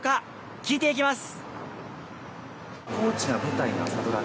聞いていきます。